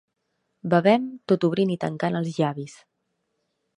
Bevem tot obrint i tancant els llavis.